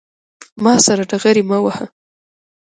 ما سره ډغرې مه وهه